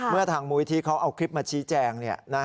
เมื่อถังมุยที่เขาเอาคลิปมาชี้แจง